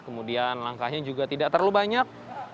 kemudian langkahnya juga tidak terlalu banyak